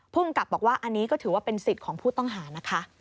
ภูมิกับบอกว่าอันนี้ก็ถือว่าเป็นสิทธิ์ของผู้ต้องหานะคะ